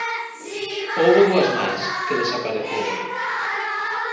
Houbo dúas máis, que desapareceron.